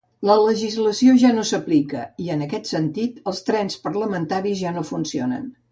La legislació ja no s'aplica i, en aquest sentit, els trens parlamentaris ja no funcionen.